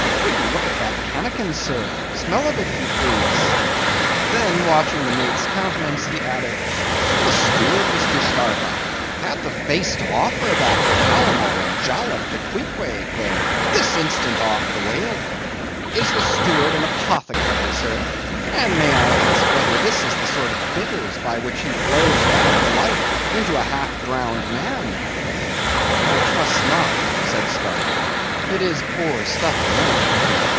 "Will you look at that kannakin, sir: smell of it, if you please." Then watching the mate's countenance, he added, "The steward, Mr. Starbuck, had the face to offer that calomel and jalap to Queequeg, there, this instant off the whale. Is the steward an apothecary, sir? and may I ask whether this is the sort of bitters by which he blows back the life into a half drowned man?" "I trust not," said Starbuck, "it is poor stuff enough."